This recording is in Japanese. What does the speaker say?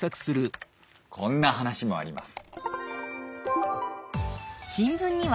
こんな話もあります。